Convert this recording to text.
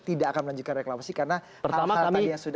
tidak akan melanjutkan reklamasi karena hal hal tadi yang sudah